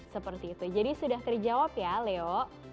seperti itu jadi sudah terjawab ya leo